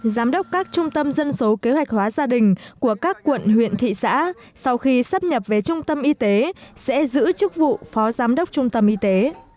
giám đốc các trung tâm dân số kế hoạch hóa gia đình của các quận huyện thị xã sau khi sắp nhập về trung tâm y tế sẽ giữ chức vụ phó giám đốc trung tâm y tế